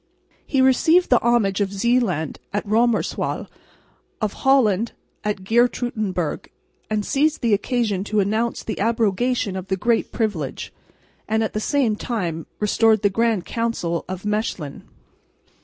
He received the homage of Zeeland at Roemerswaal, of Holland at Geertruidenburg, and seized the occasion to announce the abrogation of the Great Privilege, and at the same time restored the Grand Council at Mechlin.